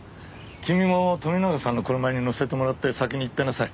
君も富永さんの車に乗せてもらって先に行ってなさい。